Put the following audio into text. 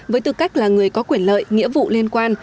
với tư cách là người có quyền lợi nghĩa vụ liên quan